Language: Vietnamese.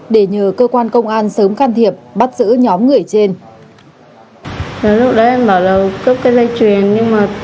để nhờ cơ quan công an sớm can thiệp bắt giữ nhóm người trên